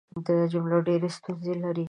دا جملې ډېرې ستونزې لري.